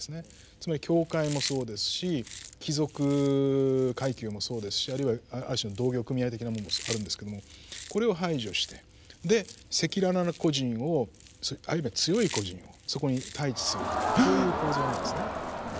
つまり教会もそうですし貴族階級もそうですしあるいはある種の同業組合的なものもあるんですけれどもこれを排除してで赤裸々な個人をある意味では強い個人をそこに対置するというこういう構造なんですね。